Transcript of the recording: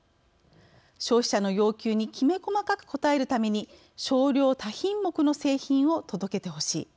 消費者の要求にきめ細かく応えるために少量多品目の製品を届けてほしい。